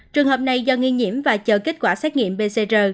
trường hợp này do nghi nhiễm và chờ kết quả xét nghiệm pcr